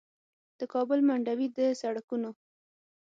د کابل منډوي د سړکونو